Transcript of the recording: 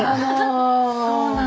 そうなの。